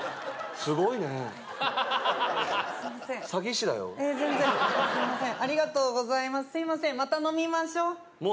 すいません、また飲みましょう。